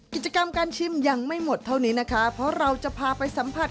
กิจกรรมการชิมยังไม่หมดเท่านี้นะคะเพราะเราจะพาไปสัมผัส